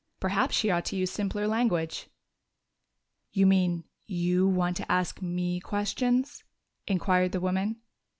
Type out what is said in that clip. Perhaps she ought to use simpler language. "You mean you want to ask me questions?" inquired the woman.